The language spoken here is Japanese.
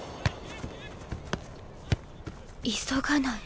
急がない。